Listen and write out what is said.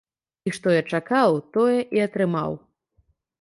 І што я чакаў, тое і атрымаў.